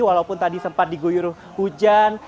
walaupun tadi sempat diguyur hujan